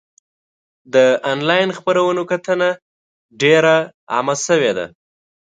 د انلاین خپرونو کتنه ډېر عامه شوې ده.